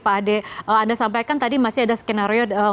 pak ade anda sampaikan tadi masih ada skenario untuk mengevakuasi wni begitu